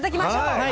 はい。